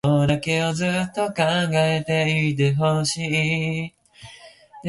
あっわわわ